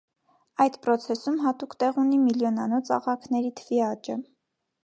Այդ պրոցեսում հատուկ տեղ ունի միլիոնանոց աղաքների թվի աճը։